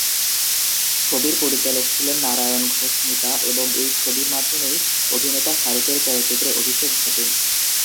ছবির পরিচালক ছিলেন নারায়ণ ঘোষ মিতা এবং এই ছবির মাধ্যমেই অভিনেতা ফারুকের চলচ্চিত্রে অভিষেক ঘটে।